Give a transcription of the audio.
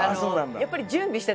やっぱり準備してたんで。